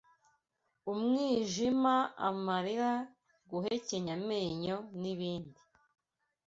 umwijima, amarira, guhekenya amenyo n’ibindi.